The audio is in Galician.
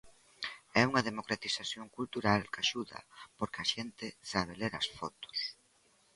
É unha democratización cultural que axuda porque a xente sabe ler as fotos.